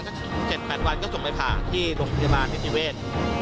กับมิธริเวศ